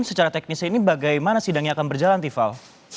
secara teknisnya ini bagaimana sidangnya akan berjalan rival